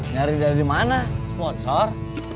nyari dari mana sponsor